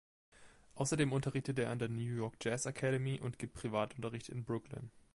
Außerdem unterrichtet er an der New York Jazz Academy und gibt Privatunterricht in Brooklyn.